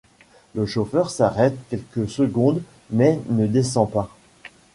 Le chauffeur s'arrête quelques secondes mais ne descend pas.